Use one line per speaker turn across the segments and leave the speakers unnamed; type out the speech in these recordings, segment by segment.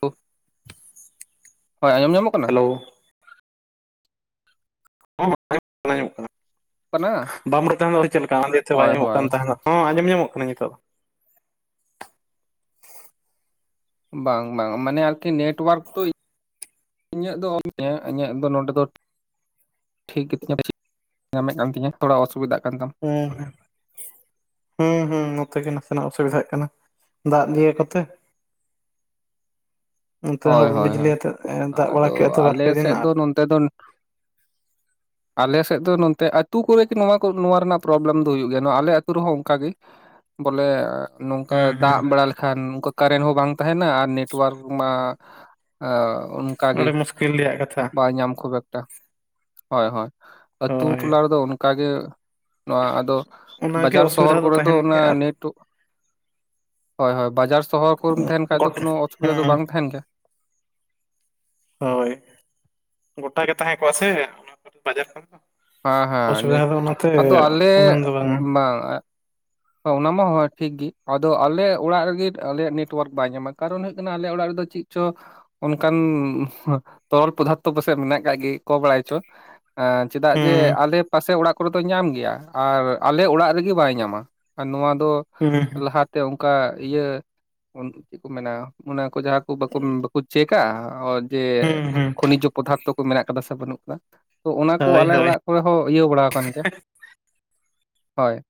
[unintelligible] ᱦᱳᱭ ᱟᱸᱡᱚᱢ ᱧᱟᱢᱚᱜ ᱠᱟᱱᱟ
ᱦᱮᱞᱳ [unintelligible] ᱟᱸᱡᱚᱢᱚᱜ ᱠᱟᱱᱟ ᱟᱸᱡᱚᱢᱚᱜ ᱠᱟᱱᱟ
ᱠᱟᱱᱟ
[unintelligible] ᱵᱟᱢ ᱞᱟᱹᱭ ᱮᱫ ᱛᱟᱸᱦᱮᱫ ᱫᱚ ᱪᱮᱫ ᱞᱮᱠᱟ [unintelligible] ᱞᱟᱹᱭ ᱮᱫ ᱛᱟᱸᱦᱮᱫ ᱵᱟᱭ
ᱦᱳᱭ
ᱟᱸᱡᱚᱢᱚᱜ
ᱦᱳᱭ
ᱠᱟᱱ ᱛᱟᱦᱮᱱᱟ᱾ ᱦᱚᱸ ᱟᱸᱡᱚᱢ ᱧᱟᱢᱚᱜ ᱠᱟᱱᱟ ᱱᱤᱛᱚᱜ
ᱵᱟᱝ ᱵᱟᱝ ᱢᱟᱱᱮ ᱟᱨᱠᱤ ᱱᱮᱴᱚᱣᱟᱨᱠ ᱛᱚ ᱤᱧᱟᱹᱜ ᱫᱚ [unintelligible] ᱤᱧᱟᱹᱜ ᱫᱚ ᱱᱚᱰᱮ ᱫᱚ ᱴᱷᱤᱠ ᱜᱮᱛᱤᱧᱟ [unintelligible] ᱧᱟᱢᱮᱫ ᱠᱟᱱ ᱛᱤᱧᱟᱹ ᱛᱷᱚᱲᱟ ᱚᱥᱩᱵᱤᱫᱷᱟᱜ ᱠᱟᱱ ᱛᱟᱢ
ᱦᱮᱸ [unintelligible] ᱦᱚᱸ ᱦᱚᱸ ᱱᱚᱛᱮ ᱜᱮ ᱱᱟᱥᱮᱱᱟᱜ ᱚᱥᱩᱵᱤᱫᱷᱟᱜ ᱠᱟᱱᱟ ᱫᱟᱜ ᱫᱤᱭᱮ ᱠᱚᱛᱮ
[unintelligible]
ᱱᱚᱛᱮ
ᱦᱚᱭ
ᱦᱩᱰᱩᱨ
ᱦᱚᱭ
ᱵᱤᱡᱽᱞᱤ
ᱦᱚᱭ᱾
ᱟᱛᱮᱫ ᱫᱟᱜ ᱵᱟᱲᱟ ᱠᱮᱫᱼᱟ
ᱟᱫᱚ
ᱛᱚ ᱵᱟᱨ ᱯᱮ
ᱟᱞᱮ
ᱫᱤᱱ
ᱥᱮᱫ
ᱟᱨ
ᱫᱚ ᱱᱚᱱᱛᱮ ᱫᱚ ᱟᱞᱮ ᱥᱮᱫ ᱫᱚ ᱱᱚᱱᱛᱮ ᱟᱹᱛᱩ ᱠᱚᱨᱮᱜᱮ ᱱᱚᱣᱟ ᱠᱚ ᱱᱚᱣᱟ ᱨᱮᱱᱟᱜ ᱯᱨᱚᱵᱞᱮᱢ ᱫᱚ ᱦᱩᱭᱩᱜ ᱜᱮᱭᱟ ᱟᱞᱮ ᱟᱹᱛᱩ ᱨᱮᱦᱚᱸ ᱚᱱᱠᱟᱜᱮ᱾ ᱵᱚᱞᱮ ᱱᱚᱝᱠᱟ
ᱦᱩᱸ
ᱫᱟᱜ
ᱦᱩᱸ
ᱵᱟᱲᱟ ᱞᱮᱠᱷᱟᱱ ᱱᱚᱝᱠᱟ ᱠᱟᱨᱮᱱ ᱦᱚᱸ ᱵᱟᱝ ᱛᱟᱦᱮᱱᱟ ᱟᱨ ᱱᱮᱴᱚᱣᱟᱨᱠ ᱢᱟ ᱼᱼ ᱟᱻ ᱩᱱᱼᱼ
ᱟᱹᱰᱤ ᱢᱩᱥᱠᱤᱞ ᱨᱮᱭᱟᱜ ᱠᱟᱛᱷᱟ ᱾
ᱧᱟᱢ ᱠᱷᱩᱵᱽ ᱮᱠᱴᱟ ᱦᱚᱭ ᱦᱚᱭ ᱟᱹᱛᱩ
ᱦᱳᱭ
ᱴᱚᱞᱟ ᱨᱮᱫᱚ ᱚᱱᱼᱼ ᱠᱟ ᱜᱮ ᱱᱚᱣᱟ ᱟᱫᱚ
ᱚᱱᱟᱜᱮ
ᱵᱟᱡᱟᱨ ᱥᱚᱦᱚᱨ
ᱚᱥᱩᱵᱤᱫᱷᱟ
ᱠᱚᱨᱮ ᱫᱚ
ᱛᱟᱦᱮᱱ
ᱚᱱᱟ
ᱜᱮᱭᱟ ᱟᱨ
ᱱᱮᱴᱼᱼ ᱦᱚᱭ ᱦᱚᱭ ᱵᱟᱡᱟᱨ ᱥᱚᱦᱚᱨ ᱠᱚ ᱨᱮᱢ ᱛᱟᱦᱮᱱ ᱠᱷᱟᱡ ᱫᱚ
ᱜᱚᱴ
ᱠᱳᱱᱳ ᱚᱥᱩᱵᱤᱫᱟ ᱫᱚ
ᱦᱮᱸ
ᱵᱟᱝ ᱛᱟᱦᱮᱱ ᱜᱮᱭᱟ ᱾
ᱦᱳᱭ ᱜᱚᱴᱟ ᱜᱮ ᱛᱟᱦᱮᱸ ᱠᱚ ᱟᱥᱮ ᱚᱱᱟ ᱠᱚᱨᱮ ᱵᱟᱡᱟᱨ ᱠᱚᱨᱮ ᱫᱚ
ᱦᱮᱸ
᱾
ᱦᱮᱸ
ᱚᱥᱩᱵᱤᱫᱷᱟ ᱫᱚ ᱚᱱᱟᱛᱮ ᱩᱱᱟᱹᱝ ᱫᱚ ᱵᱟᱝᱼᱟ ᱾
ᱵᱟᱝᱼᱟ ᱾ ᱚᱱᱟ ᱢᱟ ᱦᱳᱭ ᱴᱷᱤᱠ ᱜᱤ ᱟᱫᱚ ᱟᱞᱮ ᱚᱲᱟᱜ ᱨᱮᱜᱮ ᱟᱞᱮᱭᱟᱜ ᱱᱮᱴᱣᱟᱨᱠ ᱵᱟᱭ ᱧᱟᱢᱟ ᱠᱟᱨᱚᱱ ᱦᱩᱭᱩᱜ ᱠᱟᱱᱟ ᱟᱞᱮ ᱚᱲᱟᱜ ᱨᱮᱫᱚ ᱼᱼ ᱪᱤᱜ ᱪᱚ ᱼᱼ ᱚᱱᱠᱟᱱ ᱛᱚᱨᱚᱞ ᱯᱚᱫᱟᱨᱛᱷᱚ ᱯᱟᱥᱮᱡ ᱢᱮᱱᱟᱜ ᱠᱟᱜ ᱜᱮ ᱠᱚ ᱵᱟᱲᱟᱭ ᱪᱚ ᱾ ᱪᱮᱫᱟᱜ ᱡᱮ
ᱦᱩᱸ
ᱟᱞᱮ ᱯᱟᱥᱮ ᱚᱲᱟᱜ ᱠᱚᱨᱮ ᱫᱚ ᱧᱟᱢ ᱜᱮᱭᱟ ᱟᱨ ᱟᱞᱮ ᱚᱲᱟᱜ ᱨᱤᱜᱤ ᱵᱟᱭ ᱧᱟᱢᱟ ᱾ ᱟᱨ ᱱᱚᱣᱟ ᱫᱚ
ᱦᱩᱸ
ᱞᱟᱦᱟ ᱛᱮ ᱚᱱᱠᱟ ᱤᱭᱟᱹ ᱪᱮᱫ ᱠᱚ ᱢᱮᱱᱟ ᱼᱼ ᱚᱱᱟ ᱠᱚ ᱡᱟᱦᱟᱸᱠᱩ ᱵᱟᱠᱩ ᱵᱟᱠᱩ ᱪᱮᱠᱼᱟ ᱡᱮ
ᱦᱩᱸ ᱦᱩᱸ
ᱠᱷᱚᱱᱤᱡᱚ ᱯᱚᱫᱟᱼᱼ ᱛᱚ ᱠᱚ ᱢᱮᱱᱟᱜ ᱠᱟᱫᱟ ᱥᱮ ᱵᱟᱹᱱᱩᱜ ᱟᱠᱟᱫᱟ ᱛᱚ ᱚᱱᱟ ᱠᱚ
ᱦᱳᱭ
ᱟᱞᱮ
ᱦᱳᱭ
ᱚᱲᱟᱜᱼᱼ ᱠᱚ ᱨᱮ ᱦᱚᱸ ᱤᱭᱟᱹ ᱵᱟᱲᱟ ᱟᱠᱟᱱ ᱜᱮᱭᱟ ᱦᱚᱭ ᱾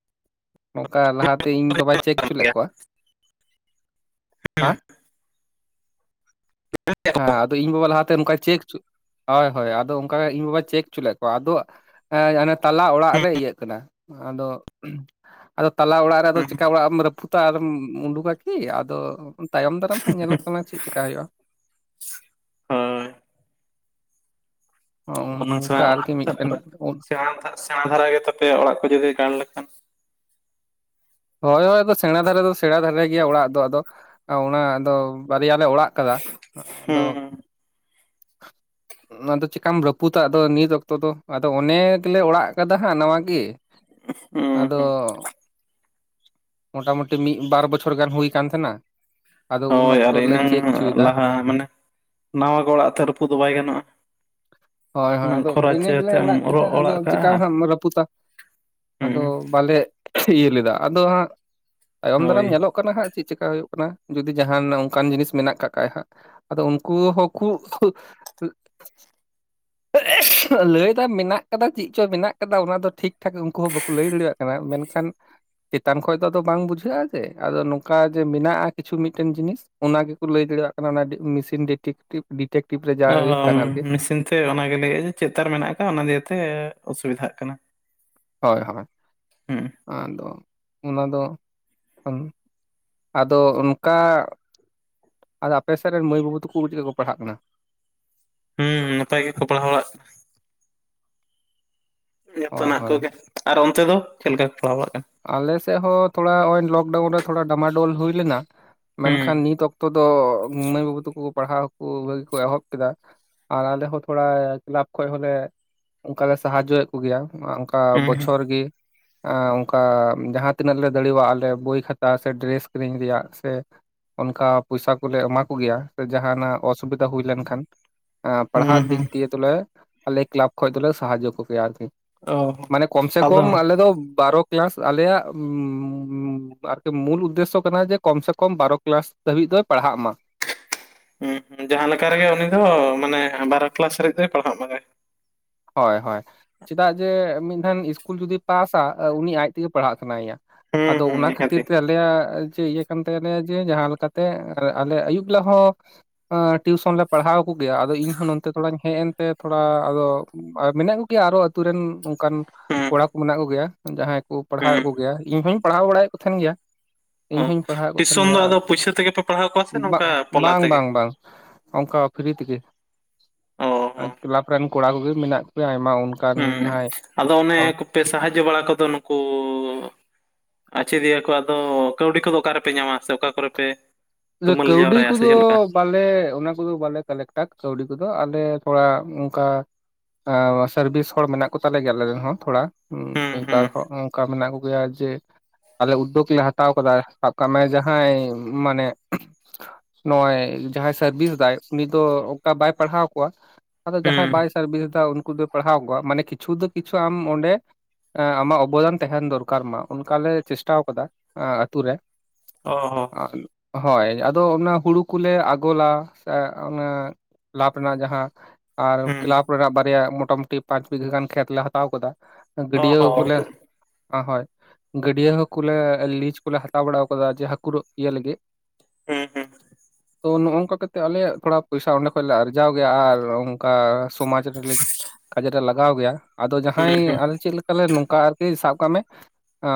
ᱱᱚᱝᱠᱟ ᱞᱟᱦᱟ ᱛᱮ ᱤᱧ ᱵᱟᱵᱟᱭ ᱪᱮᱠ
ᱠᱟᱱ
ᱦᱩᱪᱩ ᱞᱮᱫ
ᱜᱮᱭᱟ
ᱠᱚᱣᱟ ᱾ ᱦᱟᱸ
ᱦᱩᱸ
ᱦᱮᱸᱼᱼ ᱤᱧ ᱵᱟᱵᱟ ᱞᱟᱦᱟ ᱛᱮ ᱪᱮᱠ ᱦᱩᱪᱩ, ᱦᱚᱭ ᱦᱚᱭ ᱟᱫᱚ ᱚᱱᱠᱟ ᱤᱧ ᱵᱟᱵᱟᱭ ᱪᱮᱠ ᱦᱩᱪᱩ ᱞᱮᱫ ᱠᱚᱣᱟ ᱟᱫᱚ ᱼᱼ ᱦᱮᱸ ᱚᱱᱮ ᱛᱟᱞᱟ ᱚᱲᱟᱜ ᱨᱮ ᱤᱭᱟᱹᱜ ᱠᱟᱱᱟ ᱟᱫᱚᱼᱼ ᱟᱫᱚ ᱛᱟᱞᱟ ᱚᱲᱟᱜ ᱨᱮ ᱟᱫᱚ ᱪᱮᱠᱟ ᱚᱲᱟᱜ ᱨᱟᱹᱯᱩᱫᱟ ᱟᱨ ᱮᱢ ᱩᱰᱩᱠᱟ ᱠᱤ ᱟᱫᱚ ᱛᱟᱭᱚᱢ ᱼᱼ ᱱᱤᱛᱚᱝ ᱦᱚᱸ ᱧᱮᱞᱚᱜ ᱠᱟᱱᱟ ᱪᱮᱫ ᱪᱮᱠᱟ ᱦᱩᱭᱩᱜᱼᱟ?
ᱦᱳᱭ ᱚᱱᱟ ᱥᱮᱬᱟ
ᱚᱱᱠᱟ ᱟᱨᱠᱤ
ᱚᱲᱟᱜ
ᱢᱤᱫᱴᱮᱱ
ᱛᱟᱯᱚᱨᱮ ᱥᱮᱬᱟ ᱫᱚ ᱦᱟᱸᱜ ᱥᱮᱬᱟ ᱫᱷᱟᱨᱟ ᱜᱮ ᱛᱟᱯᱮ ᱚᱲᱟᱜ ᱠᱚ ᱡᱩᱫᱤ ᱜᱟᱲ ᱞᱮᱠᱷᱟᱱ ᱼᱼ
ᱦᱚᱭ ᱦᱚᱭ ᱟᱫᱚ ᱥᱮᱬᱟ ᱫᱷᱟᱨᱟ ᱫᱚ ᱥᱮᱬᱟ ᱫᱷᱟᱨᱟ ᱜᱮᱭᱟ ᱚᱲᱟᱜ ᱫᱚ ᱟᱫᱚ ᱼᱼ ᱚᱱᱟ ᱟᱫᱚ ᱵᱟᱨᱭᱟ ᱞᱮ ᱚᱲᱟᱜ ᱟᱠᱟᱫᱟ ᱟᱫᱚᱼᱼ
ᱦᱩᱸ
[inaudible] ᱟᱫᱚ ᱪᱮᱠᱟᱢ ᱨᱟᱹᱯᱩᱫᱟ ᱟᱫᱚ ᱱᱤᱛ ᱚᱠᱛᱚ ᱫᱚ ᱟᱫᱚ ᱚᱱᱮ ᱜᱮᱞᱮ ᱚᱲᱟᱜ ᱟᱠᱟᱫᱟ ᱦᱟᱸᱜ ᱱᱟᱣᱟ ᱜᱤ ᱾
ᱦᱩᱸ ᱦᱩᱸ
ᱟᱫᱚᱻ ᱢᱚᱴᱟᱢᱩᱴᱤ ᱢᱤᱫ ᱵᱟᱨ ᱵᱚᱪᱷᱚᱨ ᱜᱟᱱ ᱦᱩᱭ ᱟᱠᱟᱱ ᱛᱟᱦᱮᱱᱟ ᱾
ᱦᱳᱭ ᱟᱨ ᱮᱱᱟᱝ ᱞᱟᱦᱟ ᱢᱟᱱᱮ ᱱᱟᱣᱟ ᱜᱮ ᱚᱲᱟᱜ ᱛᱚ ᱨᱟᱹᱯᱩᱫ ᱫᱚ ᱵᱟᱭ ᱜᱟᱱᱚᱜᱼᱟ ᱾
ᱦᱚᱭ ᱦᱚᱭ ᱟᱫᱚ ᱤᱱᱟᱹ ᱜᱮᱞᱮ ᱚᱲᱟᱜ ᱠᱮᱫᱟ
ᱚᱨᱚᱜ
ᱟᱫᱚ
ᱚᱲᱟᱜ
ᱪᱮᱠᱟ
ᱠᱟᱜᱼᱟ
ᱦᱟᱸᱜ ᱮᱢ ᱨᱟᱹᱯᱩᱫᱟ? ᱟᱫᱚ
ᱦᱩᱸ
ᱵᱟᱞᱮ ᱤᱭᱟᱹ ᱞᱮᱫᱟ ᱟᱫᱚ ᱦᱟᱸᱜ ᱛᱟᱭᱚᱢ ᱫᱟᱨᱟᱢ
ᱦᱳᱭ
ᱧᱮᱞᱚᱜ ᱠᱟᱱᱟ ᱦᱟᱸᱜᱼᱼ ᱪᱮᱫ ᱪᱮᱠᱟ ᱦᱩᱭᱩᱜ ᱠᱟᱱᱟ ᱡᱩᱫᱤ ᱡᱟᱦᱟᱱ ᱚᱱᱠᱟᱱ ᱡᱤᱱᱤᱥ ᱢᱮᱱᱟᱜ ᱠᱟᱜ ᱠᱷᱟᱭ ᱦᱟᱸᱜ ᱾ ᱟᱫᱚ ᱩᱱᱠᱩ ᱦᱚᱸ ᱠᱩ ᱼᱼ [unintelligible] ᱞᱟᱹᱭ ᱫᱟ ᱢᱮᱱᱟᱜ ᱠᱟᱫᱟ ᱪᱤᱫ ᱪᱚ ᱢᱮᱱᱟᱜ ᱠᱟᱫᱟ ᱚᱱᱟ ᱫᱚ ᱴᱷᱤᱠ ᱴᱷᱟᱠ ᱩᱱᱠᱩ ᱦᱚᱸ ᱵᱟᱠᱩ ᱞᱟᱹᱭ ᱫᱟᱲᱮᱭᱟᱜ ᱠᱟᱱᱟ ᱢᱮᱱᱠᱷᱟᱱ ᱼᱼ ᱪᱮᱛᱟᱱ ᱠᱷᱚᱡ ᱫᱚ ᱟᱫᱚ ᱵᱟᱝ ᱵᱩᱡᱷᱟᱹᱜᱼᱟ ᱡᱮ ᱟᱫᱚ ᱱᱚᱝᱠᱟ ᱡᱮ ᱢᱮᱱᱟᱜᱼᱟ ᱠᱤᱪᱷᱩ ᱢᱤᱫᱴᱮᱱ ᱡᱤᱱᱤᱥ ᱾ ᱚᱱᱟ ᱜᱤ ᱠᱚ ᱞᱟᱹᱭ ᱫᱟᱲᱮᱭᱟᱜ ᱠᱟᱱᱟ ᱚᱱᱟ ᱢᱮᱥᱤᱱ ᱰᱤᱴᱤᱠᱴᱤᱵ ᱰᱤᱴᱮᱠᱴᱤᱵ ᱨᱮ ᱡᱟ ᱦᱳᱭᱳᱜ ᱠᱟᱱᱟ ᱟᱨᱠᱤ ᱾
ᱚᱱᱟ ᱜᱮ ᱞᱟᱹᱭᱮᱜᱼᱟ ᱡᱮ ᱪᱮᱫ ᱛᱟᱨ ᱢᱮᱱᱟᱜ ᱟᱠᱟᱫ ᱚᱱᱟ ᱫᱤᱭᱮ ᱛᱮ ᱚᱥᱩᱵᱤᱫᱷᱟᱜ ᱠᱟᱱᱟ ᱾
ᱦᱚᱭ ᱦᱚᱭ ᱾
ᱦᱩᱸ ᱾
ᱟᱫᱚ ᱚᱱᱟ ᱫᱚ ᱼᱼ ᱟᱫᱚ ᱚᱱᱠᱟ ᱟᱫᱚ ᱟᱯᱮ ᱥᱮᱫ ᱨᱮᱱ ᱢᱟᱹᱭ ᱵᱟᱹᱵᱩ ᱛᱟᱠᱩ ᱪᱮᱫ ᱞᱮᱠᱟ ᱠᱚ ᱯᱟᱲᱦᱟᱜ ᱠᱟᱱᱟ?
ᱦᱩᱸ ᱱᱟᱯᱟᱭ ᱜᱮ ᱠᱚ ᱯᱟᱲᱦᱟᱣ ᱵᱟᱲᱟᱜ ᱼᱼ ᱡᱚᱷᱛᱚ
ᱦᱳᱭ
ᱱᱟᱜ
ᱦᱳᱭ
ᱠᱚᱜᱮ ᱟᱨ ᱚᱱᱛᱮ ᱫᱚ ᱪᱮᱫ ᱞᱮᱠᱟ ᱠᱚ ᱯᱟᱲᱦᱟᱣ ᱵᱟᱲᱟᱜ ᱠᱟᱱᱟ?
ᱟᱞᱮᱥᱮᱫ ᱦᱚᱸ ᱛᱷᱚᱲᱟ ᱱᱚᱜ-ᱚᱭ ᱞᱚᱠᱰᱟᱣᱩᱱ ᱨᱮ ᱛᱷᱚᱲᱟ ᱰᱟᱢᱟᱰᱚᱞ ᱦᱩᱭ ᱞᱮᱱᱟ᱾
ᱦᱩᱸ
ᱢᱮᱱᱠᱷᱟᱱ ᱱᱤᱛ ᱚᱠᱛᱚ ᱫᱚ ᱢᱟᱹᱭ ᱵᱟᱹᱵᱩ ᱛᱟᱠᱩ ᱼᱼ ᱯᱟᱲᱦᱟᱣ ᱠᱚ ᱵᱷᱟᱜᱤ ᱠᱚ ᱮᱦᱚᱵ ᱠᱮᱫᱟ ᱟᱨ ᱟᱞᱮ ᱦᱚᱸ ᱛᱷᱚᱲᱟ ᱠᱮᱞᱟᱵ ᱠᱷᱚᱡ ᱦᱚ ᱞᱮ ᱼᱼ ᱚᱱᱠᱟ ᱞᱮ ᱥᱟᱦᱟᱡᱡᱚᱭᱮᱫ ᱠᱩ ᱜᱮᱭᱟ ᱚᱱᱠᱟ
ᱦᱩᱸ
ᱵᱚᱪᱷᱚᱨ ᱜᱤ ᱚᱠᱟ ᱡᱟᱦᱟᱸ ᱛᱤᱱᱟᱹᱜ ᱞᱮ ᱫᱟᱲᱤᱣᱟᱜ ᱟᱞᱮ ᱵᱳᱭ ᱠᱷᱟᱛᱟ ᱥᱮ ᱰᱨᱮᱥ ᱠᱤᱨᱤᱧ ᱨᱮᱭᱟᱜ ᱥᱮ ᱼᱼ ᱚᱱᱠᱟ ᱯᱚᱭᱥᱟ ᱠᱚᱞᱮ ᱮᱢᱟ ᱠᱚ ᱜᱮᱭᱟ ᱥᱮ ᱡᱟᱦᱟᱱᱟᱜ ᱚᱥᱩᱵᱤᱫᱷᱟ ᱦᱩᱭ ᱞᱮᱱᱠᱷᱟᱱ ᱼᱼ
ᱦᱩᱸ
ᱯᱟᱲᱦᱟᱜ
ᱦᱩᱸ
ᱫᱤᱠ ᱫᱤᱭᱮ ᱫᱚ ᱞᱮ ᱟᱞᱮ ᱠᱞᱟᱵᱽ ᱠᱷᱚᱡ ᱫᱚ ᱞᱮ ᱥᱟᱦᱟᱡᱡᱚ ᱠᱚ ᱜᱮᱭᱟ ᱟᱨᱠᱤ
ᱚ
᱾ ᱢᱟᱱᱮ ᱠᱚᱢ ᱥᱮ ᱠᱚᱢ
ᱟᱫᱚ
ᱟᱞᱮ ᱫᱚ ᱵᱟᱨᱚ ᱠᱞᱟᱥ ᱟᱞᱮᱭᱟᱜ [inaudible] ᱟᱨᱠᱤ ᱢᱩᱞ ᱩᱫᱽᱫᱮᱥᱥᱚ ᱠᱟᱱᱟ ᱡᱮ ᱠᱚᱢ ᱥᱮ ᱠᱚᱢ ᱵᱟᱨᱚ ᱠᱞᱟᱥ ᱫᱷᱟᱹᱵᱤᱡ ᱫᱚᱭ ᱯᱟᱲᱦᱟᱜ ᱢᱟ᱾
ᱦᱩᱸ ᱡᱟᱦᱟᱸ ᱞᱮᱠᱟ ᱨᱮᱜᱮ ᱩᱱᱤ ᱫᱚ ᱢᱟᱱᱮ ᱵᱟᱨᱚ ᱠᱞᱟᱥ ᱦᱟᱨᱤᱡ ᱫᱚᱭ ᱯᱟᱲᱦᱟᱜ ᱢᱮ᱾
ᱦᱳᱭ ᱦᱳᱭ ᱪᱮᱫᱟᱜ ᱡᱮ ᱢᱤᱫ ᱫᱷᱟᱱ ᱤᱥᱠᱩᱞ ᱡᱩᱫᱤᱭ ᱯᱟᱥᱟ ᱩᱱᱤ ᱟᱡ ᱛᱮᱜᱮ ᱯᱟᱲᱦᱟᱜ ᱥᱟᱱᱟᱭᱮᱼᱟ᱾
ᱦᱩᱸ
ᱟᱫᱚ
ᱦᱩᱸ
ᱚᱱᱟ ᱠᱷᱟᱹᱛᱤᱨ
ᱱᱤᱦᱟᱹᱛᱤ
ᱛᱮ ᱟᱞᱮᱭᱟᱜ ᱪᱮ ᱤᱭᱟᱹ ᱠᱟᱱ ᱛᱟᱞᱟᱭᱟ ᱡᱮ ᱡᱟᱦᱟᱸ ᱞᱮᱠᱟᱛᱮ ᱟᱞᱮ ᱟᱭᱩᱵ ᱵᱮᱞᱟ ᱦᱚᱸ [unintelligible] ᱴᱤᱭᱩᱥᱚᱱ ᱞᱮ ᱯᱟᱲᱦᱟᱣ ᱠᱚᱜᱮᱭᱟ ᱟᱫᱚ ᱤᱧᱦᱚᱸ ᱱᱚᱱᱛᱮ ᱛᱷᱚᱲᱟᱧ ᱦᱮᱡ ᱮᱱᱛᱮ ᱛᱷᱚᱲᱟ ᱟᱫᱚ [unintelligible] ᱢᱮᱱᱟᱜ ᱠᱚᱜᱮᱭᱟ ᱟᱨᱚ ᱟᱹᱛᱩ ᱨᱮᱱ ᱚᱱᱠᱟᱱ
ᱦᱩᱸ
ᱠᱚᱲᱟ ᱠᱚ ᱢᱮᱱᱟᱜ ᱠᱚᱜᱮᱭᱟ ᱡᱟᱦᱟᱸᱭ ᱠᱚ ᱯᱟᱲᱦᱟᱣᱮᱫ
ᱦᱩᱸ
ᱠᱚᱜᱮᱭᱟ ᱤᱧ ᱦᱚᱧ ᱯᱟᱲᱦᱟᱣ ᱵᱟᱲᱟᱭᱮᱫ ᱠᱚ ᱛᱟᱦᱮᱱ ᱜᱮᱭᱟ
ᱚ
ᱤᱧ ᱦᱚᱧ ᱯᱟᱲᱦᱟᱣᱮᱫ ᱠᱚ ᱛᱟᱦᱮᱱ
ᱴᱤᱭᱩᱥᱚᱱ
ᱜᱮᱭᱟ
ᱫᱚ
ᱟᱨ
ᱟᱫᱚ ᱯᱩᱭᱥᱟᱹ ᱛᱮᱜᱮ ᱯᱮ ᱯᱟᱲᱦᱟᱣ ᱠᱚᱣᱟ ᱥᱮ
[unintelligible]
ᱱᱚᱝᱠᱟ
[inaudible]
ᱯᱚᱞᱟ
ᱵᱟᱝ
ᱛᱮᱜᱮ
ᱵᱟᱝ ᱚᱱᱠᱟ ᱯᱷᱤᱨᱤ ᱛᱮᱜᱮ
ᱚ ᱦᱚᱸ
ᱠᱮᱞᱟᱵ ᱨᱮᱱ ᱠᱚᱲᱟ ᱠᱚᱜᱮ ᱢᱮᱱᱟᱜ ᱠᱚᱭᱟ ᱟᱭᱢᱟ ᱚᱱᱠᱟᱱ
ᱦᱩᱸ
ᱡᱟᱦᱟᱸᱭ
ᱟᱫᱚ ᱚᱱᱮ ᱠᱚᱯᱮ ᱥᱟᱦᱟᱡᱡᱚ ᱵᱟᱲᱟ ᱠᱚᱫᱚ ᱱᱩᱠᱩ ᱟᱪᱪᱷᱮᱫᱤᱭᱟ ᱠᱚ ᱟᱫᱚ ᱠᱟᱹᱣᱰᱤ ᱠᱚᱫᱚ ᱚᱠᱟ ᱨᱮᱯᱮ ᱧᱟᱢᱟ ᱥᱮ ᱚᱠᱟ ᱠᱚᱨᱮ ᱯᱮ
ᱤᱛᱟᱹ
ᱛᱩᱢᱟᱹᱞ
ᱠᱟᱹᱣᱰᱤ
ᱡᱟᱣᱨᱟᱭᱟ ᱥᱮ
ᱠᱚᱫᱚ
ᱪᱮᱫ ᱞᱮᱠᱟ
ᱯᱟᱞᱮ ᱚᱱᱟ ᱠᱚᱫᱚ ᱵᱟᱞᱮ ᱠᱟᱞᱮᱠᱴᱟ ᱠᱟᱹᱣᱰᱤ ᱠᱚᱫᱚ ᱟᱞᱮ ᱛᱷᱚᱲᱟ ᱚᱱᱠᱟ ᱥᱟᱨᱵᱤᱥ ᱦᱚᱲ ᱢᱮᱱᱟᱜ ᱠᱚᱛᱟᱞᱮ ᱜᱮᱭᱟ ᱟᱞᱮ ᱨᱮᱱ ᱦᱚᱸ ᱛᱷᱚᱲᱟ
ᱦᱩᱸ
ᱢᱤᱫᱵᱟᱨ
ᱦᱩᱸ
ᱦᱚᱲ ᱚᱱᱠᱟ ᱢᱮᱱᱟᱜ ᱩᱭᱟᱹ ᱡᱮ ᱟᱞᱮ ᱩᱫᱫᱳᱜᱽ ᱞᱮ ᱦᱟᱛᱟᱣ ᱠᱟᱫᱟ ᱥᱟᱵ ᱠᱟᱜ ᱢᱮ ᱡᱟᱦᱟᱸᱭ ᱢᱟᱱᱮ [inaudible] ᱱᱚᱜᱼᱚᱭ ᱡᱟᱦᱟᱸᱭ ᱥᱟᱨᱵᱤᱥ ᱫᱟᱭ ᱩᱱᱤ ᱫᱚ ᱚᱱᱠᱟ ᱵᱟᱭ ᱯᱟᱲᱦᱟᱣ ᱠᱚᱣᱟ ᱟᱫᱚ ᱡᱟᱦᱟᱸᱭ
ᱦᱩᱸ
[unintelligible] [unintelligible] ᱩᱱᱠᱩ ᱫᱚ‌ ᱯᱟᱲᱦᱟᱣ ᱠᱚᱣᱟ ᱢᱟᱱᱮ ᱠᱤᱪᱷᱩ ᱫᱚ ᱠᱤᱪᱩ ᱟᱢ ᱚᱰᱮ ᱟᱢᱟᱜ ᱚᱵᱚᱫᱟᱱ ᱛᱟᱦᱮᱱ ᱫᱚᱨᱠᱟᱨ ᱢᱟ ᱚᱱᱠᱟ ᱞᱮ ᱪᱮᱥᱴᱟ ᱟᱠᱟᱫᱟ ᱟᱹᱛᱩ ᱨᱮ
ᱚ ᱦᱚᱸ
ᱦᱚᱭ ᱟᱫᱚ ᱚᱱᱟ ᱦᱩᱲᱩ ᱠᱚᱞᱮ ᱟᱜᱚᱞᱟ ᱥᱮ ᱚᱱᱮ [unintelligible] ᱨᱮᱱᱟᱜ ᱡᱟᱦᱟᱸ ᱟᱨ
ᱦᱩᱸ
ᱠᱞᱟᱵᱽ ᱨᱮᱱᱟᱜ ᱵᱟᱨᱭᱟ ᱢᱳᱴᱟᱢᱩᱴᱤ ᱯᱟᱸᱪ ᱵᱤᱜᱷᱟᱹ ᱜᱟᱱ ᱠᱷᱮᱛ ᱞᱮ ᱦᱟᱛᱟᱣ ᱟᱠᱟᱫᱟ᱾
ᱚ
ᱜᱟᱹᱰᱭᱟᱣ
ᱦᱚᱸ
ᱠᱚᱞᱮ [unintelligible] ᱜᱟᱹᱰᱭᱟ ᱦᱚᱸ ᱠᱚᱞᱮ ᱞᱤᱡ ᱠᱚᱞᱮ ᱦᱟᱛᱟᱣ ᱵᱟᱲᱟ ᱠᱟᱫᱟ ᱡᱮ ᱦᱟᱹᱠᱩ ᱫᱚ ᱤᱭᱟᱹ ᱞᱟᱹᱜᱤᱫ
ᱦᱮᱸ
ᱛᱚ ᱱᱚᱼᱚᱝᱠᱟ ᱠᱟᱛᱮ ᱟᱞᱮᱭᱟᱜ ᱛᱷᱚᱲᱟ ᱯᱚᱭᱥᱟ ᱚᱸᱰᱮ ᱠᱷᱚᱱ ᱟᱨᱡᱟᱣ ᱜᱮᱭᱟ ᱟᱨ ᱚᱱᱠᱟ ᱥᱚᱢᱟᱡᱽ ᱨᱮᱞᱮ ᱠᱟᱡᱮ ᱨᱮ ᱞᱟᱜᱟᱣ ᱜᱮᱭᱟ ᱟᱫᱚ ᱡᱟᱦᱟᱸᱭ
ᱦᱩᱸ ᱦᱩᱸ
ᱟᱞᱮ ᱪᱮᱫ ᱞᱮᱠᱟᱞᱮ ᱱᱚᱝᱠᱟ ᱟᱨᱠᱤ ᱥᱟᱵ ᱠᱟᱜ ᱢᱮ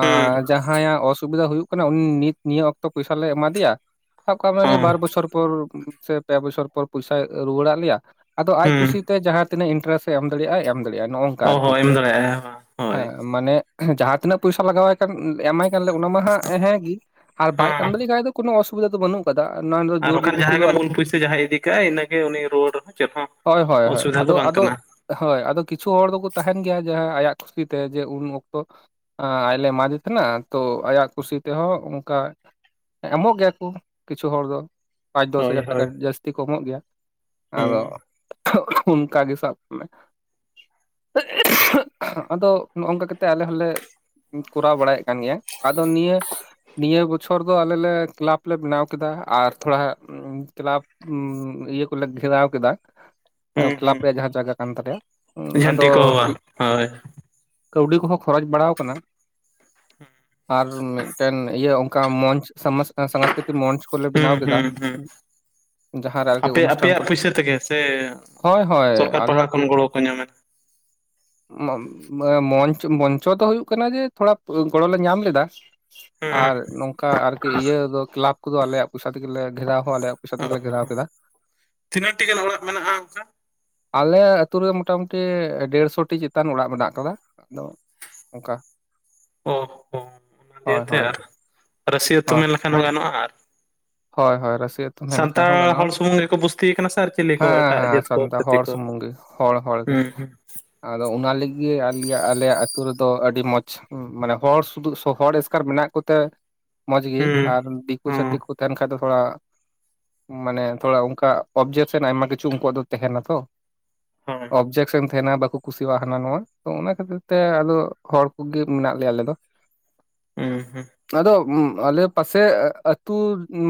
ᱦᱩᱸ
ᱡᱟᱦᱟᱸᱭᱟᱜ ᱚᱥᱩᱵᱤᱫᱟ ᱦᱩᱭᱩᱜ ᱠᱟᱱᱟ ᱩᱱᱤ ᱱᱤᱛ ᱱᱤᱭᱟᱹ ᱚᱠᱛᱚ ᱯᱩᱭᱥᱟ ᱞᱮ ᱮᱢᱟ ᱫᱮᱭᱟ ᱥᱟᱵ ᱠᱟᱜ ᱢᱮ ᱩᱱᱤ
ᱦᱚᱸ
ᱵᱟᱨ ᱵᱚᱪᱷᱚᱨ ᱯᱚᱨ ᱥᱮ ᱯᱮ ᱵᱚᱪᱷᱚᱨ ᱯᱚᱨ ᱯᱩᱭᱥᱟᱭ ᱨᱩᱣᱟᱹᱲᱟᱜ ᱞᱮᱭᱟ ᱟᱫᱚ ᱟᱡ
ᱦᱩᱸ
ᱠᱩᱥᱤ ᱛᱮ ᱡᱟᱦᱟᱸ ᱛᱤᱱᱟᱹᱜ ᱤᱱᱴᱟᱨᱮᱥ ᱮ ᱮᱢ ᱫᱟᱲᱮᱭᱟᱜ ᱟᱭ ᱮᱢ ᱫᱟᱲᱮᱭᱟᱜ ᱟᱭ ᱱᱚᱼᱚᱝᱠᱟ
ᱚ
ᱟᱨᱠᱤ
ᱦᱚᱸ ᱮᱢ ᱫᱟᱲᱮᱭᱟᱜᱼᱟᱭ ᱵᱟᱝ ᱦᱳᱭ
ᱦᱮᱸ ᱢᱟᱱᱮ ᱡᱟᱦᱟᱸ ᱛᱤᱱᱟᱹᱜ ᱯᱩᱭᱥᱟ ᱞᱟᱜᱟᱣᱟᱭ ᱠᱟᱱ ᱮᱢᱟᱭ ᱠᱟᱱ ᱞᱮ ᱚᱱᱟ ᱢᱟ ᱦᱟᱸᱜ ᱦᱮᱸ ᱜᱤ ᱟᱨ ᱵᱟᱭ
ᱦᱚᱸ
ᱮᱢᱫᱟᱲᱮᱜ ᱠᱷᱟᱡ ᱫᱚ ᱠᱳᱱᱳ ᱚᱥᱩᱵᱤᱫᱟ ᱫᱚ ᱵᱟᱹᱱᱩᱜ [unintelligible]
ᱟᱨ ᱵᱟᱠᱷᱟᱱ ᱡᱟᱦᱟᱸᱭ
ᱫᱚ
ᱜᱮ
ᱟᱞ
ᱢᱩᱞ ᱯᱩᱭᱥᱟᱹ ᱡᱟᱦᱟᱸᱭ ᱤᱫᱤ ᱠᱟᱜᱼᱟᱭ ᱤᱱᱟᱹᱜᱮ ᱩᱱᱤ ᱨᱩᱣᱟᱹᱲ ᱨᱮᱦᱚᱸ ᱪᱮᱫ ᱦᱚᱸ
ᱦᱳᱭ ᱦᱳᱭ ᱦᱳᱭ
ᱚᱥᱩᱵᱤᱫᱷᱟ ᱫᱚ
ᱟᱫᱚ
ᱵᱟᱝ ᱠᱟᱱᱟ
ᱟᱫᱚ ᱦᱳᱭ ᱟᱫᱚ ᱠᱤᱪᱷᱩ ᱦᱚᱲ ᱫᱚᱠᱚ ᱛᱟᱦᱮᱱ ᱜᱮᱭᱟ ᱡᱟᱦᱟᱸ ᱟᱭᱟᱜ ᱠᱩᱥᱤᱛᱮ ᱡᱮ ᱩᱱ ᱚᱠᱛᱚ [inaudible] ᱟᱡ ᱞᱮ ᱮᱢᱟᱫᱮ ᱛᱟᱦᱮᱸᱱᱟ ᱛᱚ ᱟᱭᱟᱜ ᱠᱩᱥᱤ ᱛᱮᱦᱚᱸ ᱚᱱᱠᱟ ᱮᱢᱚᱜ ᱜᱮᱭᱟ ᱠᱚ ᱠᱤᱪᱷᱩ ᱦᱚᱲ ᱫᱚ ᱯᱟᱸᱪ ᱫᱚᱥ
ᱦᱳᱭ
ᱦᱟᱡᱟᱨ ᱴᱟᱠᱟ
ᱦᱳᱭ
ᱡᱟᱹᱥᱛᱤ ᱠᱚ ᱮᱢᱚᱜ ᱜᱮᱭᱟ᱾ ᱟᱫᱚ
ᱦᱩᱸ
[inaudible] ᱚᱱᱠᱟ ᱜᱮ ᱥᱟᱵ ᱢᱮ [inaudible] ᱟᱫᱚ ᱱᱚᱜᱼᱚᱝᱠᱟ ᱠᱟᱛᱮ ᱟᱞᱮ ᱦᱚᱸᱞᱮ ᱠᱚᱨᱟᱣ ᱵᱟᱲᱟᱭᱮᱫ ᱠᱟᱱ ᱜᱮᱭᱟ ᱟᱫᱚ ᱱᱤᱭᱟᱹ ᱱᱤᱭᱟᱹ ᱵᱚᱪᱷᱚᱨ ᱫᱚ ᱟᱞᱮ ᱞᱮ ᱠᱞᱟᱵᱽ ᱞᱮ ᱵᱮᱱᱟᱣ ᱠᱮᱫᱟ ᱟᱨ ᱛᱷᱚᱲᱟ ᱠᱞᱟᱵᱽ ᱤᱭᱟᱹ ᱠᱚᱞᱮ ᱜᱷᱮᱨᱟᱣ ᱠᱮᱫᱟ
ᱦᱩᱸ
ᱠᱞᱟᱵᱽ
ᱦᱩᱸ
ᱨᱮᱭᱟᱜ ᱡᱟᱦᱟᱸ ᱡᱟᱭᱜᱟ ᱠᱟᱱ ᱛᱟᱞᱮᱭᱟ ᱟᱫᱚ
ᱡᱷᱟᱹᱱᱴᱤ ᱠᱚ ᱵᱟᱝ ᱦᱳᱭ
ᱠᱟᱹᱣᱰᱤ ᱠᱚᱦᱚᱸ ᱠᱷᱚᱨᱚᱪ ᱵᱟᱲᱟᱣ ᱠᱟᱱᱟ ᱟᱨ ᱢᱤᱫᱴᱮᱱ ᱤᱭᱟᱹ ᱚᱱᱠᱟ [unintelligible] [unintelligible] ᱢᱚᱧᱪ ᱠᱚᱞᱮ ᱵᱮᱱᱟᱣ
ᱦᱩᱸ
ᱠᱮᱫᱟ
ᱦᱩᱸ ᱦᱩᱸ
ᱡᱟᱦᱟᱸᱨᱮ ᱟᱨᱠᱤ
ᱟᱯᱮ
ᱚᱱᱩᱥᱴᱷᱟᱱ ᱠᱚ
ᱟᱯᱮᱭᱟᱜ ᱯᱩᱭᱥᱟᱹ ᱛᱮᱜᱮ ᱥᱮ
ᱦᱳᱭ ᱦᱳᱭ
ᱥᱚᱨᱠᱟᱨ ᱯᱟᱦᱴᱟ
ᱟᱞᱮᱭᱟᱜ [inaudible]
ᱠᱷᱚᱱ ᱜᱚᱲᱚ ᱠᱚ ᱧᱟᱢᱟ
[unintelligible] ᱢᱚᱧᱪᱚ ᱫᱚ ᱦᱩᱭᱩᱜ ᱠᱟᱱᱟ ᱡᱮ ᱛᱷᱚᱲᱟ ᱜᱚᱲᱚ ᱞᱮ ᱧᱟᱢ ᱞᱮᱫᱟ
ᱦᱩᱸ
ᱟᱨ ᱱᱚᱝᱠᱟ ᱟᱨ ᱤᱭᱟᱹ ᱫᱚ ᱠᱞᱟᱵᱽ ᱠᱚᱫᱚ ᱟᱞᱮᱭᱟᱜ ᱯᱚᱭᱥᱟ ᱛᱮᱜᱮᱞᱮ ᱜᱷᱮᱨᱟᱣ ᱦᱚᱸ ᱟᱞᱮᱭᱟᱜ ᱯᱚᱭᱥᱟ ᱛᱮᱜᱮᱞᱮ ᱜᱷᱮᱨᱟᱣ ᱠᱮᱫᱟ
ᱛᱤᱱᱟᱹᱜ ᱴᱤ ᱜᱟᱱ ᱚᱲᱟᱜ ᱢᱮᱱᱟᱜᱼᱟ ᱚᱱᱠᱟ
ᱟᱞᱮ ᱟᱛᱩᱨ ᱨᱮ ᱢᱚᱴᱟᱢᱩᱴᱤ ᱰᱮᱲᱥᱚᱴᱤ ᱪᱮᱛᱟᱱ ᱚᱲᱟᱜ ᱢᱮᱱᱟᱜ ᱟᱠᱟᱫᱟ ᱟᱫᱚ ᱚᱱᱠᱟ
ᱚ ᱦᱚᱸ ᱚᱱᱟ
ᱦᱳᱭ
ᱫᱤᱭᱮᱛᱮ
ᱦᱳᱭ
ᱟᱨ ᱨᱟᱟᱹᱥᱤ ᱩᱛᱩᱢ
ᱦᱳᱭ
ᱢᱮᱱ ᱞᱮᱠᱷᱟᱱ ᱦᱚᱸ ᱜᱟᱱᱚᱜᱼᱟ ᱟᱨ
ᱦᱳᱭ ᱦᱳᱭ ᱨᱟᱹᱥᱤ ᱟᱹᱛᱩ ᱢᱮᱱ ᱞᱮᱠᱷᱟᱱ
ᱥᱟᱱᱛᱟᱲ
ᱦᱚᱸ ᱜᱟᱱᱚᱜᱼᱟ
ᱦᱚᱲ ᱥᱩᱢᱩᱝ ᱜᱮᱠᱚ ᱵᱩᱚᱥᱤ ᱠᱟᱱᱟ ᱥᱮ ᱟᱨ ᱪᱤᱞᱤ ᱠᱚ
ᱦᱮᱸ
ᱮᱴᱟᱜ
ᱦᱮᱸ
ᱡᱟᱹᱛ ᱠᱚ
ᱥᱟᱱᱛᱟᱲ
ᱪᱷᱟᱛᱤ
ᱦᱚᱲ
ᱠᱚ
ᱥᱩᱢᱩᱝ ᱜᱮ ᱦᱚᱲ ᱦᱚᱲ ᱜᱮ
ᱦᱩᱸ
ᱟᱫᱚ ᱚᱱᱟ ᱞᱟᱹᱜᱤᱫ ᱟᱞᱮ ᱟᱞᱮᱭᱟᱜ ᱟᱞᱮ ᱟᱹᱛᱩ ᱨᱮᱫᱚ ᱟᱹᱰᱤ ᱢᱚᱡᱽ ᱢᱟᱱᱮ ᱦᱚᱲ ᱥᱩᱫᱩ ᱦᱚᱲ ᱮᱥᱠᱟᱨ ᱢᱮᱱᱟᱜ ᱠᱚᱛᱮ ᱢᱚᱡᱽᱜᱤ
ᱦᱩᱸ
ᱟᱨ
ᱦᱩᱸ
ᱫᱤᱠᱩ
ᱦᱚᱸ
ᱪᱷᱟᱹᱛᱤᱠ ᱛᱟᱦᱮᱱ ᱠᱷᱟᱡ ᱫᱚ ᱛᱷᱚᱲᱟ ᱢᱟᱱᱮ ᱛᱷᱚᱲᱟ ᱚᱱᱠᱟ ᱚᱵᱡᱮᱠᱥᱮᱱ ᱟᱭᱢᱟ ᱠᱤᱪᱷᱩ ᱩᱱᱠᱩᱣᱟᱜ ᱫᱚ ᱛᱟᱦᱮᱱᱟ ᱛᱚ
ᱦᱳᱭ
ᱚᱵᱡᱮᱠᱥᱮᱱ ᱛᱟᱦᱮᱱᱟ ᱵᱟᱠᱚ ᱠᱩᱥᱤᱭᱟᱜᱼᱟ ᱦᱟᱱᱟ ᱱᱚᱣᱟ ᱛᱚ ᱚᱱᱟ ᱠᱷᱟᱹᱛᱤᱨ ᱛᱮ ᱟᱫᱚ ᱦᱚᱲ ᱠᱚᱜᱮ ᱢᱮᱱᱟᱜ ᱞᱮᱭᱟ ᱟᱞᱮ ᱫᱚ
ᱦᱩᱸ ᱦᱩᱸ
ᱟᱫᱚ ᱟᱞᱮ ᱯᱟᱥᱮ ᱟ ᱟᱹᱛᱩᱳ